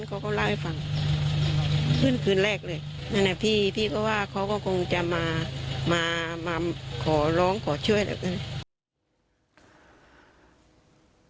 คุณที่เขาเนี่ยม